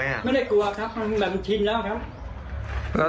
ไม่ได้กลัวครับมันแบบชินแล้วครับ